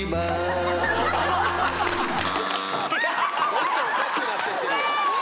どんどんおかしくなってってるよ。